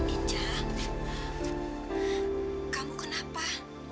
icah kamu kenapa